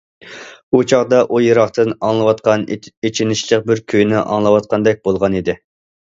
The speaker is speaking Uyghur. ئۇ چاغدا ئۇ يىراقتىن ئاڭلىنىۋاتقان ئېچىنىشلىق بىر كۈينى ئاڭلاۋاتقاندەك بولغانىدى.